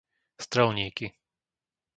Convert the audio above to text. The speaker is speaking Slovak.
Strelníky